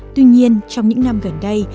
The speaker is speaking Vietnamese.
tuy nhiên trong những năm gần đây